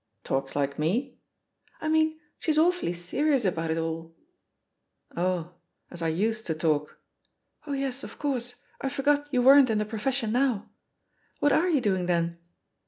"Talks like me?" "I mean she's awfully serious about it alL'* "Oh, as I used to talk?" "Oh yes, of course — I forgot you weren't in the profession now. What are you doing, then!"